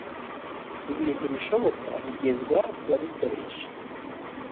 ibintu bishoboka bigezwa ku babikoresha